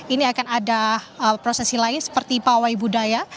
ini akan ada prosesi lain seperti pawai budaya